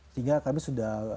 sehingga kami sudah